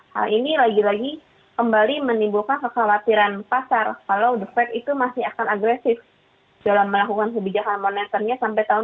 hal ini lagi lagi kembali menimbulkan kekhawatiran pasar kalau the fed itu masih akan agresif dalam melakukan kebijakan moneternya sampai tahun dua ribu dua puluh